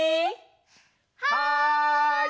はい！